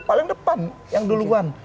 paling depan yang duluan